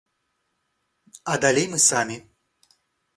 А далей мы самі.